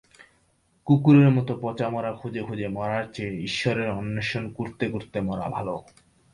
কুকুরের মত পচা মড়া খুঁজে খুঁজে মরার চেয়ে ঈশ্বরের অন্বেষণ করতে করতে মরা ভাল।